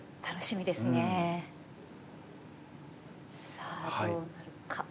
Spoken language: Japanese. さあどうなるか。